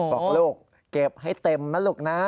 บอกลูกเก็บให้เต็มนะลูกนะ